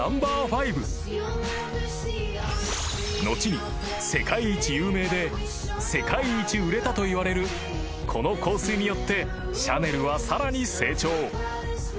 ［後に世界一有名で世界一売れたといわれるこの香水によってシャネルはさらに成長］